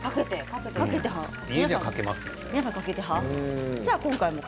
皆さん、かける派。